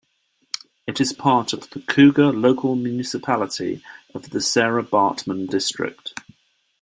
It is part of the Kouga Local Municipality of the Sarah Baartman District.